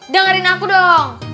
dengerin aku dong